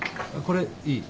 これいい？